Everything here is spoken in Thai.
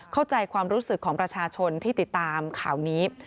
เข้าใจความรู้สึกของประชาชนที่ติดตามข่าวนี้